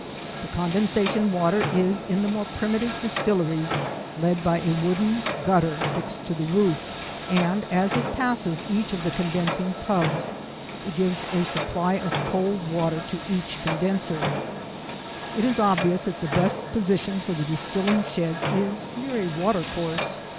The condensation water is, in the more primitive distilleries, led by a wooden gutter fixed to the roof, and as it passes each of the condensing tubs, it gives a supply of cold water to each condenser. It is obvious that the best position for the distilling sheds is near a watercourse.